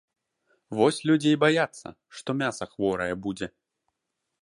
Вось людзі і баяцца, што мяса хворае будзе.